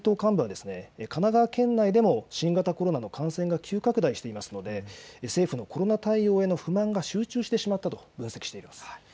ある自民党幹部は神奈川県内でも新型コロナの感染が急拡大していますので政府のコロナ対応への不満が集中してしまったと分析しています。